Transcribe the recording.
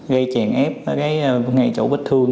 gây chèn ép ở cái ngay chỗ bích thương